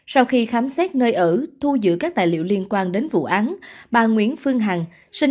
sau khi khám xét nơi ở thu giữ các tài liệu liên quan đến vụ án bà nguyễn phương hằng